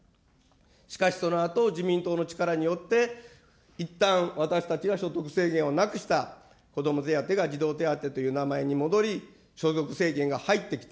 しかしそのあと自民党の力によって、いったん私たちが所得制限を子ども手当が児童手当という名前に戻り、所得制限が入ってきた。